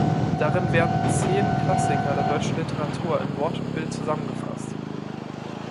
Darin werden zehn Klassiker der deutschen Literatur in Wort und Bild zusammengefasst.